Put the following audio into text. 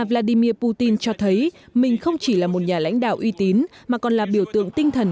vladimir putin cho thấy mình không chỉ là một nhà lãnh đạo uy tín mà còn là biểu tượng tinh thần